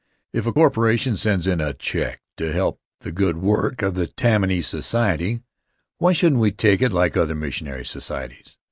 If a corporation sends in a check to help the good work of the Tammany Society, why shouldn't we take it like other missionary societies?